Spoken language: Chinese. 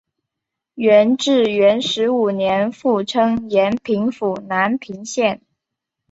元至元十五年复称延平府南平县。